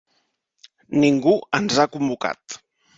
Ningú ens ha convocat.